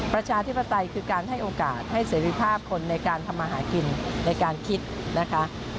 ประชาธิปไตยคือการให้โอกาสให้เสรีภาพคนในการทำมาหากินในการคิดนะคะ